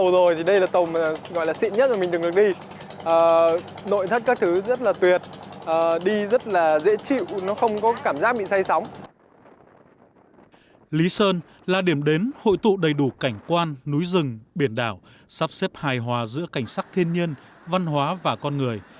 lý sơn là điểm đến hội tụ đầy đủ cảnh quan núi rừng biển đảo sắp xếp hài hòa giữa cảnh sắc thiên nhiên văn hóa và con người